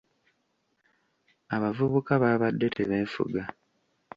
Abavubuka baabadde tebeefuga.